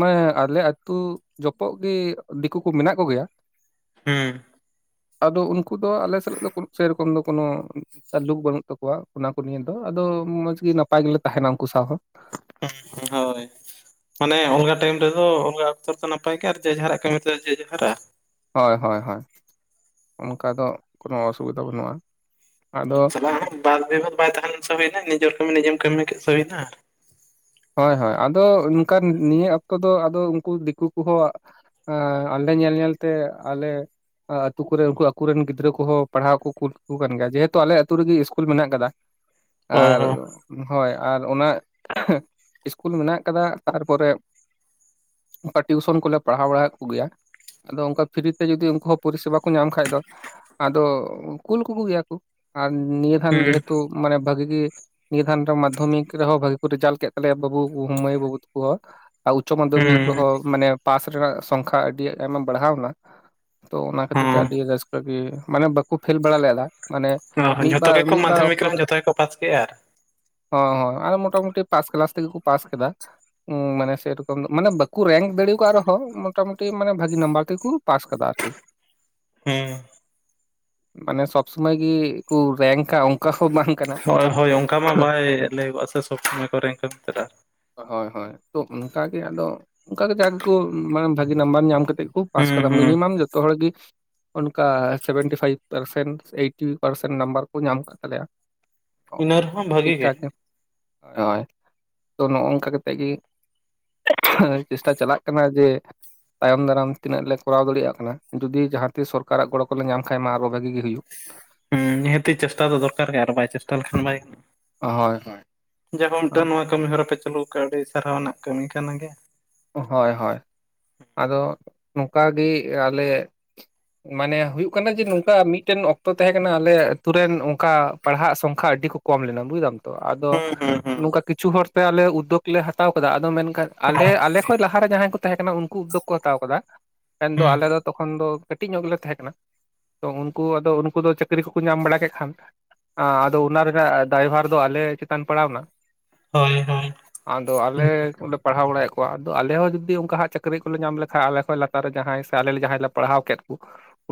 ᱢᱟᱱᱮ ᱟᱞᱮ ᱟᱹᱛᱩ ᱡᱚᱯᱚᱜ ᱜᱮ ᱫᱤᱠᱩ ᱠᱚ ᱢᱮᱱᱟᱜ ᱠᱚᱜᱮᱭᱟ
ᱦᱩᱸ
ᱟᱫᱚ ᱩᱱᱠᱩ ᱫᱚ ᱟᱞᱮ ᱥᱟᱞᱟᱜ ᱫᱚ ᱥᱮᱨᱚᱠᱚᱢ ᱫᱚ ᱠᱳᱱᱳ ᱞᱩᱠ ᱵᱟᱹᱱᱩᱜ ᱛᱟᱠᱚᱣᱟ ᱚᱱᱟ ᱠᱚ ᱱᱤᱭᱮ ᱫᱚ ᱟᱫᱚ ᱢᱚᱡᱽᱜᱮ ᱱᱟᱯᱟᱭ ᱜᱮᱞᱮ ᱛᱟᱦᱮᱱᱟ ᱩᱱᱠᱩ ᱥᱟᱶ ᱦᱚᱸ
ᱦ ᱦᱳᱭ ᱢᱟᱱᱮ ᱚᱞᱜᱟ ᱴᱟᱭᱤᱢ ᱨᱮᱫᱚ ᱚᱞᱜᱟ ᱚᱠᱛᱚ ᱫᱚ ᱱᱟᱯᱟᱭ ᱜᱮ ᱟᱨ ᱡᱮ ᱡᱟᱦᱟᱨᱟᱜ ᱠᱟᱹᱢᱤ ᱡᱮ ᱡᱟᱨᱟᱜ
ᱦᱳᱭ ᱦᱳᱭ ᱦᱚᱭ ᱚᱱᱠᱟ ᱫᱚ ᱠᱳᱱᱳ ᱚᱥᱩᱵᱤᱫᱟ ᱵᱟᱹᱱᱩᱜᱼᱟ ᱟᱫᱚ
ᱥᱟᱞᱟᱜ ᱵᱟᱨ ᱫᱤᱱ ᱦᱚᱸ ᱵᱟᱭ ᱛᱟᱦᱮ ᱞᱮᱱ ᱥᱮ ᱦᱩᱭᱱᱟ ᱱᱤᱡᱮᱨ ᱠᱟᱹᱢᱤ ᱱᱤᱡᱮᱢ ᱠᱟᱹᱢᱤ ᱠᱮᱫ ᱥᱮ ᱦᱩᱭᱮᱱᱟ
ᱦᱳᱭ ᱦᱳᱭ ᱟᱫᱚ ᱚᱱᱠᱟ ᱱᱤᱭᱟᱹ ᱚᱠᱛᱚ ᱫᱚ ᱟᱫᱚ ᱩᱱᱠᱩ ᱫᱤᱠᱩ ᱠᱚᱦᱚᱸ ᱚᱸᱰᱮ ᱧᱮᱞ ᱧᱮᱞᱛᱮ ᱟᱞᱮ ᱟᱛᱩ ᱠᱚᱨᱮ ᱩᱱᱠᱩ ᱟᱠᱩᱨᱮᱱ ᱜᱤᱫᱽᱨᱟᱹ ᱠᱚᱦᱚᱸ ᱯᱟᱲᱦᱟᱣ ᱠᱚ ᱠᱩᱞ ᱠᱟ ᱠᱚ ᱠᱟᱱ ᱜᱮᱭᱟ ᱡᱮᱦᱮᱛᱩ ᱟᱞᱮ ᱟᱛᱳ ᱨᱮᱜᱮ ᱤᱥᱠᱩᱞ ᱢᱮᱱᱟᱜ ᱟᱠᱟᱫᱟ
ᱚ
ᱟᱨ
ᱦᱚᱸ
ᱦᱳᱭ ᱟᱨ ᱚᱱᱟ ᱤᱥᱠᱩᱞ ᱢᱮᱱᱟᱜ ᱟᱠᱟᱫᱟ ᱛᱟᱨᱯᱚᱨᱮ ᱴᱤᱭᱩᱥᱚᱱ ᱠᱚᱞᱮ ᱯᱟᱲᱦᱟᱣ ᱵᱟᱲᱟᱮᱫ ᱠᱚᱜᱮᱭᱟ ᱟᱫᱚ ᱚᱱᱠᱟ ᱯᱷᱤᱨᱤ ᱛᱮ ᱡᱚᱫᱤ ᱩᱱᱠᱩ ᱦᱚᱸ ᱯᱚᱨᱤᱥᱮᱵᱟ ᱠᱚ ᱧᱟᱢ ᱠᱷᱟᱱ ᱫᱚ ᱟᱫᱚ ᱠᱩᱞ ᱠᱩᱠᱩᱜᱮᱭᱟ ᱠᱚ ᱟᱨ ᱱᱤᱭᱟᱹ ᱤᱭᱟᱹᱟᱱ ᱡᱮᱦᱮᱛᱩ ᱢᱟᱱᱮ ᱵᱷᱟᱜᱤ ᱜᱮᱤ ᱱᱤᱭᱟᱹᱫᱷᱟᱱ ᱨᱮ ᱢᱟᱫᱽᱫᱷᱚᱢᱤᱠ ᱨᱮᱦᱚᱸ ᱵᱷᱟᱜᱤ ᱠᱚ ᱨᱮᱡᱟᱞᱴ ᱠᱮᱫ ᱛᱟᱦᱚᱞᱮ ᱵᱟᱵᱩ ᱢᱟᱹᱭ ᱵᱟᱵᱩ ᱠᱩ ᱟᱨ ᱩᱪᱪᱚᱢᱟᱫᱽᱫᱷᱚᱢᱤᱠ
ᱦᱩᱸ
ᱨᱮᱦᱚ ᱢᱟᱱᱮ ᱯᱟᱥ ᱨᱮᱱᱟᱜ ᱥᱚᱝᱠᱷᱟ ᱟᱹᱰᱤ ᱟᱭᱮᱢ ᱵᱟᱲᱦᱟᱣ ᱮᱱᱟ ᱛᱚ ᱚᱱᱟ ᱠᱷᱟᱹᱛᱤᱨ ᱛᱮ
ᱦᱩᱸ
ᱟᱹᱰᱤ ᱨᱟᱹᱥᱠᱟᱹ ᱜᱮ ᱢᱟᱱᱮ ᱵᱟᱠᱚ ᱯᱷᱮᱞ ᱵᱟᱲᱟ ᱞᱮᱫᱟ ᱢᱟᱱᱮ
ᱦᱚᱸ ᱚ
ᱢᱤᱫ
ᱡᱷᱚᱛᱚ
ᱵᱟᱨ
ᱜᱮᱠᱚ
ᱢᱤᱫ ᱵᱟᱨ
ᱢᱟᱫᱽᱫᱷᱚᱢᱤᱠ
ᱚᱠᱛᱚ
ᱨᱮᱦᱚᱸ ᱡᱷᱚᱛᱚ ᱜᱮᱠᱚ ᱯᱟᱥ ᱠᱮᱜᱼᱟ ᱟᱨ
ᱦᱚᱸᱮ ᱦᱮ ᱟᱨ ᱢᱚᱴᱟᱢᱩᱴᱤ ᱯᱟᱥ ᱠᱞᱟᱥ ᱛᱮᱜᱮ ᱠᱚ ᱯᱟᱥ ᱠᱮᱫᱟ ᱢᱟᱱᱮ ᱥᱮᱨᱚᱠᱚᱢ ᱫᱚ ᱢᱟᱱᱮ ᱵᱟᱠᱚ ᱨᱮᱝᱠ ᱫᱟᱲᱮ ᱟᱠᱟᱫ ᱨᱮᱦᱚᱸ ᱢᱚᱴᱟᱢᱩᱴᱤ ᱢᱟᱱᱮ ᱵᱷᱟᱹᱜᱤ ᱱᱟᱢᱵᱟᱨ ᱛᱮᱠᱚ ᱯᱟᱥ ᱟᱠᱟᱫᱟ ᱟᱨᱠᱤ [unintelligible]
ᱦᱮᱸ
ᱢᱟᱱᱮ ᱥᱚᱵᱽ ᱥᱩᱢᱚᱭ ᱜᱮᱠᱚ ᱨᱮᱝᱠᱼᱟ
ᱦᱳᱭ ᱦᱳᱭ ᱚᱱᱠᱟ ᱢᱟ ᱵᱟᱭ ᱞᱟᱹᱭᱚᱜᱼᱟ ᱥᱮ ᱥᱚᱵ ᱥᱚᱢᱚᱭ ᱠᱚ ᱨᱮᱝᱠᱟ ᱢᱮᱱᱛᱮ ᱟᱨ
ᱦᱳᱭ ᱦᱳᱭ ᱛᱚ ᱚᱱᱠᱟᱜᱮ ᱟᱫᱚ ᱚᱱᱠᱟᱟᱜᱮ ᱡᱟ ᱜᱮᱠᱚ ᱢᱟᱱᱮ ᱵᱷᱟᱜᱤ ᱱᱟᱢᱵᱟᱨ ᱧᱟᱢ ᱠᱟᱛᱮᱫ ᱠᱳ ᱯᱟᱥ
ᱦᱩᱸ
ᱠᱟᱫᱟ
ᱦᱩᱸ
ᱢᱤᱱᱤᱢᱟᱢ ᱡᱚᱛᱚ ᱦᱚᱲ ᱜᱤ ᱚᱱᱠᱟ seventy five percent eighty percent number ᱠᱚ ᱧᱟᱢ ᱟᱠᱟᱫ ᱛᱟᱞᱮᱭᱟ
ᱤᱱᱟᱹ ᱨᱮᱦᱚᱸ
ᱴᱷᱤᱠ
ᱵᱷᱟᱹᱜᱤ
ᱴᱷᱟᱠ ᱜᱮ ᱦᱳᱭ ᱛᱚ ᱱᱚᱜ ᱱᱚᱝᱠᱟ ᱠᱟᱛᱮᱜ ᱜᱮ ᱪᱮᱥᱴᱟ ᱪᱟᱞᱟᱜ ᱠᱟᱱᱟ ᱡᱮ ᱛᱟᱭᱚᱢ ᱫᱟᱨᱟᱢ ᱛᱤᱱᱟᱹᱜ ᱞᱮ ᱠᱚᱨᱟᱣ ᱫᱟᱲᱮᱭᱟᱜ ᱠᱟᱱᱟ ᱡᱩᱫᱤ ᱡᱟᱦᱟᱸ ᱛᱤᱥ ᱥᱚᱨᱠᱟᱨᱟᱜ ᱜᱚᱲᱚ ᱠᱚᱞᱮ ᱧᱟᱢ ᱠᱷᱟᱱᱡ ᱢᱟ ᱟᱨᱚ ᱵᱷᱟᱜᱤ ᱜᱮ ᱦᱩᱭᱩᱜ
ᱦᱩᱸ ᱱᱤᱦᱟᱹᱛᱤ ᱪᱮᱥᱴᱟ ᱫᱚ ᱫᱚᱨᱠᱟᱨ ᱜᱮᱭᱟ ᱟᱨ ᱵᱟᱭ ᱪᱮᱥᱴᱟ ᱞᱮᱠᱷᱟᱱ ᱵᱟᱭ ᱜᱟᱱᱚᱜᱼᱟ
ᱦᱚᱭ
ᱡᱟᱭᱦᱳ ᱢᱤᱫᱴᱟᱝ ᱱᱚᱣᱟ ᱠᱟᱹᱢᱤᱦᱚᱨᱟ ᱯᱮ ᱪᱟᱹᱞᱩᱠᱟᱜᱼᱟ ᱟᱹᱰᱤ ᱥᱟᱨᱦᱟᱣ ᱨᱮᱱᱟᱜ ᱠᱟᱹᱢᱤ ᱠᱟᱱ ᱜᱮᱭᱟ
ᱦᱳᱭ ᱦᱳᱭ ᱟᱫᱚ ᱱᱚᱝᱠᱟ ᱜᱮ ᱟᱞᱮ ᱢᱟᱱᱮ ᱦᱩᱭᱩᱜ ᱠᱟᱱᱟ ᱡᱮ ᱱᱚᱝᱠᱟ ᱢᱤᱫᱴᱮᱱ ᱚᱠᱛᱚ ᱛᱟᱦᱮᱸ ᱠᱟᱱᱟ ᱟᱞᱮ ᱟᱛᱩᱨᱮᱱ ᱚᱱᱠᱟ ᱯᱟᱲᱦᱟᱜ ᱥᱚᱝᱠᱷᱟ ᱟᱹᱰᱤ ᱠᱚ ᱠᱚᱢ ᱞᱮᱱᱟ ᱵᱩᱡᱫᱟᱢ ᱛᱚ ᱟᱫᱚ
ᱦᱩᱸ ᱦᱩᱸ
ᱱᱚᱝᱠᱟ ᱠᱤᱪᱷᱩ ᱦᱚᱲᱛᱮ ᱟᱞᱮ ᱩᱫᱽᱫᱳᱜᱽ ᱞᱮ ᱦᱟᱛᱟᱣ ᱟᱠᱟᱫᱟ ᱟᱫᱚ ᱢᱮᱱᱠᱷᱟᱱ ᱟᱞᱮ
ᱦᱩᱸ
ᱟᱞᱮ ᱠᱷᱚᱡ ᱞᱟᱦᱟᱨᱮ ᱡᱟᱦᱟᱸᱭ ᱠᱚ ᱛᱟᱦᱮᱸ ᱠᱟᱱᱟ ᱩᱱᱠᱩ ᱩᱫᱽᱫᱳᱜᱽ ᱠᱚ ᱦᱟᱛᱟᱣ ᱟᱠᱟᱫᱟ ᱢᱮᱱᱫᱚ
ᱦᱩᱸ
ᱟᱞᱮ ᱫᱚ ᱛᱚᱠᱷᱚᱱ ᱫᱚ ᱠᱟᱹᱴᱤᱡ ᱧᱚᱜ ᱜᱮᱞᱮ ᱛᱟᱦᱮᱸ ᱠᱟᱱᱟ ᱛᱚ ᱩᱱᱠᱩ ᱟᱫᱚ ᱩᱱᱠᱩ ᱫᱚ ᱪᱟᱹᱠᱨᱤ ᱠᱚᱠᱚ ᱧᱟᱢ ᱵᱟᱲᱟ ᱠᱮᱫ ᱠᱷᱟᱱ ᱟᱫᱚ ᱚᱱᱟ ᱨᱮᱱᱟᱜ ᱫᱟᱭᱵᱷᱟᱨ ᱫᱚ ᱟᱞᱮ ᱪᱮᱛᱟᱱ ᱯᱟᱲᱟᱣ ᱮᱱᱟ
ᱦᱳᱭ ᱦᱳᱭ
ᱟᱫᱚ ᱟᱞᱮ ᱚᱰᱮ ᱯᱟᱲᱦᱟᱣ ᱵᱟᱲᱮᱫ ᱠᱚᱣᱟ ᱟᱫᱚ ᱟᱞᱮ ᱦᱚᱸ ᱡᱩᱫᱤ ᱚᱱᱠᱟ ᱦᱟᱜ ᱪᱟᱹᱠᱨᱤ ᱠᱚᱞᱮ ᱧᱟᱢ ᱞᱮᱠᱷᱟᱱᱡᱞᱮ ᱠᱷᱚᱡ ᱞᱟᱛᱟᱨ ᱨᱮ ᱡᱟᱦᱟᱸᱭ ᱥᱮ ᱟᱞᱮ ᱡᱟᱦᱟᱸᱭ ᱞᱮ ᱯᱟᱲᱦᱟᱣ ᱠᱮᱫ ᱠᱚᱣᱟ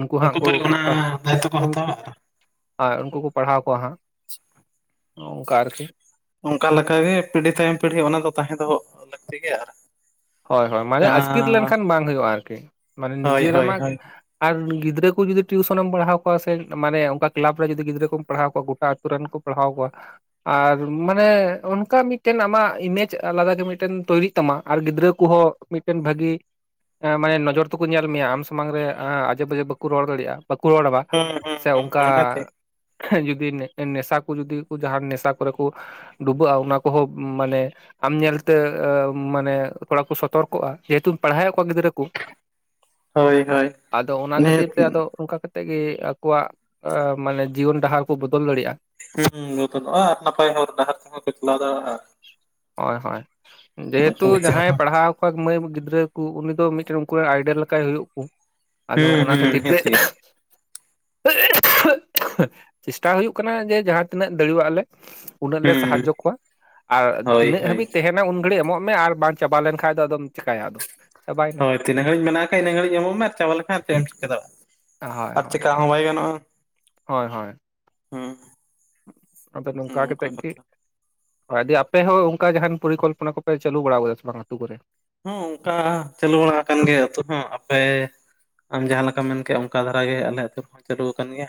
ᱩᱱᱠᱩ ᱦᱟᱸᱜ ᱠᱚ
ᱯᱟᱞᱮ ᱚᱱᱟ
ᱯᱟᱲᱦᱟᱣ
ᱫᱟᱭᱤᱛᱛᱚ ᱠᱚ
ᱩᱱᱠᱩ
ᱦᱟᱛᱟᱣᱟ ᱟᱨ
ᱟᱨ ᱩᱱᱠᱩ ᱠᱚ ᱯᱟᱲᱦᱟᱣ ᱠᱚᱣᱟ ᱦᱟᱸᱜ ᱚᱱᱠᱟ ᱟᱨᱠᱤ
ᱚᱱᱠᱟᱠᱟᱜᱮ ᱯᱤᱲᱦᱤ ᱛᱟᱭᱚᱢ ᱯᱤᱲᱦᱤ ᱚᱱᱟ ᱫᱚ ᱛᱟᱦᱮᱸ ᱫᱚᱦᱚ ᱞᱟᱹᱠᱛᱤ ᱜᱮᱭᱟ ᱟᱨ
ᱦᱳᱭ ᱦᱳᱭ ᱢᱟᱱᱮ
ᱥᱮᱬᱟ
ᱟᱥᱠᱤᱛ ᱞᱮᱱᱠᱷᱟᱱ ᱵᱟᱝ ᱦᱩᱭᱩᱜᱼᱟ ᱟᱨᱠᱤ ᱢᱟᱱᱮ
ᱦᱳᱭ ᱦᱳᱭ
ᱱᱤᱡᱮᱨᱢᱟ
ᱦᱳᱭ
ᱟᱨ ᱜᱤᱫᱽᱨᱟᱹ ᱠᱚ ᱡᱩᱫᱤ ᱴᱤᱭᱩᱥᱚᱱᱮᱢ ᱯᱟᱲᱦᱟᱣ ᱠᱚᱣᱟ ᱥᱮ ᱢᱟᱱᱮ ᱚᱱᱠᱟ ᱠᱮᱞᱟᱵᱽ ᱨᱮ ᱡᱩᱫᱤ ᱜᱤᱫᱽᱨᱟᱹ ᱠᱚᱢ ᱯᱟᱲᱦᱟᱣ ᱠᱚᱣᱟ ᱜᱚᱴᱟ ᱛᱩᱨᱟᱱ ᱠᱚ ᱯᱟᱲᱦᱟᱣ ᱠᱚᱣᱟ ᱟᱨ ᱢᱟᱱᱮ ᱚᱱᱠᱟ ᱢᱤᱫᱴᱮᱱ ᱟᱢᱟᱜ ᱤᱢᱮᱡᱽ ᱟᱞᱟᱫᱟ ᱜᱮ ᱢᱤᱫᱴᱮᱱ ᱛᱳᱨᱤᱜ ᱛᱟᱢᱟ ᱟᱨ ᱜᱤᱫᱽᱨᱟᱹ ᱩᱱᱠᱩ ᱦᱚᱸ ᱢᱤᱫᱴᱮᱱ ᱵᱷᱟᱹᱜᱤ ᱦᱮᱸ ᱢᱟᱱᱮ ᱱᱚᱡᱚᱨ ᱛᱮᱠᱚ ᱧᱮᱞ ᱢᱮᱭᱟ ᱟᱢ ᱥᱟᱢᱟᱝ ᱨᱮ ᱟᱡᱡᱮ ᱵᱟᱡᱮ ᱵᱟᱠᱚ ᱨᱚᱲ ᱫᱟᱲᱮᱭᱟᱜᱼᱟ ᱵᱟᱠᱚ ᱨᱚᱲᱟ
ᱦᱩᱸ ᱦᱩᱸ
ᱥᱮ
ᱦᱩᱸ
ᱚᱱᱠᱟ
ᱚᱱᱟᱛᱮ
ᱡᱩᱫᱤ ᱱᱮᱥᱟ ᱠᱚ ᱡᱩᱫᱤ ᱡᱟᱦᱟᱸ ᱱᱮᱥᱟ ᱠᱚᱨᱮ ᱠᱚ ᱰᱩᱵᱟᱹᱜᱼᱟ ᱚᱱᱟ ᱠᱚᱦᱚᱸ ᱢᱟᱱᱮ ᱟᱢ ᱧᱮᱞ ᱛᱮ ᱢᱟᱱᱮ ᱛᱷᱚᱲᱟ ᱠᱚ ᱥᱚᱛᱚᱨᱠᱚᱜᱼᱟ ᱡᱮᱦᱮᱛᱩ ᱯᱟᱲᱦᱟᱣᱮᱫ ᱠᱚᱣᱟ ᱜᱤᱫᱽᱨᱟᱹ ᱠᱚ
ᱦᱳᱭ ᱦᱳᱭ
ᱟᱫᱚ ᱚᱱᱟ ᱠᱷᱟᱹᱛᱤᱨ
ᱱᱤᱦᱟᱹᱛ
ᱛᱮ ᱟᱫᱚ ᱚᱱᱠᱟ ᱠᱟᱛᱮ ᱛᱮ ᱜᱮ ᱟᱠᱚᱣᱟᱜ ᱢᱟᱱᱮ ᱡᱤᱭᱚᱱ ᱰᱟᱦᱟᱨ ᱠᱚ ᱵᱚᱫᱚᱞ ᱫᱟᱲᱮᱭᱟᱜᱼᱟ
ᱦᱩᱸ ᱵᱚᱫᱚᱞ ᱚᱜᱼᱟ ᱟᱨ ᱱᱟᱯᱟᱭ ᱦᱚᱨ ᱰᱟᱦᱟᱨ ᱛᱮᱦᱚᱸ ᱯᱮ ᱪᱟᱞᱟᱣ ᱫᱟᱲᱮᱭᱟᱜ ᱟ
ᱦᱳᱭ ᱦᱳᱭ ᱡᱮᱦᱮᱛᱩ ᱡᱟᱦᱟᱸᱭ ᱯᱟᱦᱟᱣ ᱠᱚᱣᱟ ᱢᱟᱹᱭ ᱜᱤᱫᱽᱨᱟᱹ ᱠᱚ ᱩᱱᱤ ᱫᱚ ᱢᱤᱫᱴᱮᱱ ᱩᱱᱠᱩᱮᱱ ᱟᱭᱰᱮᱞ ᱞᱮᱠᱟᱭ ᱦᱩᱭᱩᱜ ᱠᱩ ᱟᱫᱚ
ᱦᱩᱸ
ᱚᱱᱟ
ᱦᱩᱸ
ᱠᱷᱟᱹᱛᱤᱨ ᱛᱮ
ᱱᱤᱦᱟᱹᱛᱤ
[unintelligible] ᱪᱮᱥᱴᱟ ᱦᱩᱭᱩᱜ ᱠᱟᱱᱟ ᱡᱮ ᱡᱟᱦᱟᱸ ᱛᱤᱱᱟᱹᱜ ᱫᱟᱲᱮᱭᱟᱜ ᱞᱮ ᱩᱱᱟᱹᱜ ᱞᱮ
ᱦᱩᱸ
ᱥᱟᱦᱟᱡᱡᱚ ᱠᱚᱣᱟ ᱟᱨ
ᱦᱳᱭ
ᱛᱤᱱᱟᱹᱜ
ᱦᱳᱭ
ᱦᱟᱹᱵᱤᱡ ᱛᱟᱦᱮᱸᱱᱟ ᱩᱱ ᱜᱷᱟᱹᱲᱤᱡ ᱮᱢᱚᱜ ᱢᱮ ᱟᱨ ᱵᱟᱝ ᱪᱟᱵᱟ ᱞᱮᱱᱠᱷᱟᱱ ᱫᱚ ᱟᱫᱚᱢ ᱪᱮᱠᱟᱭᱟ ᱟᱫᱚ ᱪᱟᱵᱟᱭᱮᱱᱟ
ᱦᱳᱭ ᱛᱤᱱᱟᱜ ᱦᱟᱵᱤᱡ ᱢᱮᱱᱟᱜ ᱠᱟᱫᱟ ᱤᱱᱟᱹ ᱜᱟᱹᱲᱤᱡ ᱮᱢᱚᱜ ᱢᱮ ᱟᱨ ᱪᱟᱵᱟ ᱞᱮᱠᱷᱟᱱ ᱪᱮᱫ ᱮᱢ ᱪᱮᱠᱟᱫᱟᱲᱮᱭᱟᱜ
ᱦᱳᱭ
ᱟᱨ
ᱦᱳᱭ
ᱪᱮᱠᱟ ᱦᱚᱸ ᱵᱟᱭ ᱜᱟᱱᱚᱜᱼᱟ
ᱦᱳᱭ ᱦᱳᱭ
ᱦᱩᱸ
ᱟᱫᱚ ᱱᱚᱝᱠᱟ
ᱚᱱᱠᱟ
ᱠᱟᱛᱮ ᱜᱮ
ᱠᱟᱛᱷᱟ
ᱟᱯᱮ ᱦᱚᱸ ᱚᱱᱠᱟ ᱡᱟᱦᱟᱱ ᱯᱚᱨᱤᱠᱚᱞᱯᱚ ᱠᱚᱯᱮ ᱪᱟᱹᱞᱩ ᱵᱟᱲᱟ ᱟᱠᱟᱫᱟ ᱥᱮ ᱵᱟᱝ ᱟᱹᱛᱩ ᱠᱚᱨᱮ?
ᱦᱚᱸ ᱚᱱᱠᱟ ᱪᱟᱹᱞᱩ ᱵᱟᱲᱟ ᱟᱠᱟᱱ ᱜᱮᱭᱟ ᱟᱛᱩ ᱦᱚᱸ ᱟᱯᱮ ᱟᱢ ᱡᱟᱦᱟᱸ ᱞᱮᱠᱟᱢ ᱢᱮᱱᱠᱮᱜᱼᱟ ᱚᱱᱠᱟ ᱫᱷᱟᱨᱟ ᱜᱮ ᱟᱞᱮ ᱟᱹᱛᱩ ᱨᱮ ᱦᱚᱸ ᱪᱟᱹᱞᱩ ᱟᱠᱟᱱ ᱜᱮᱭᱟ